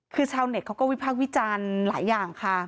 คือชาวเน็ตเขาก็วิพากษ์วิจารณ์หลายอย่างค่ะ